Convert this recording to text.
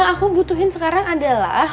maksudnya siapa yang minum sekarang adalah